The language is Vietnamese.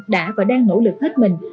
đã và đang nỗ lực hết mình